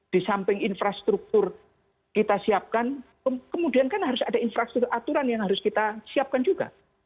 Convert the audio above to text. disamping infrastruktur kita siapkan kemudian kan harus ada aturan yang harus kita siapkan juga